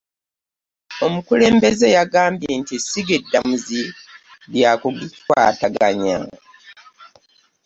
Omukulembeza yagambye nti essiga eddamuzi lyakugikwataganya.